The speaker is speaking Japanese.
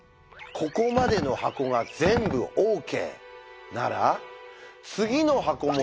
「ここまでの箱が全部ＯＫ！